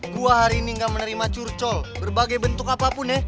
gua hari ini gak menerima curcol berbagai bentuk apapun ya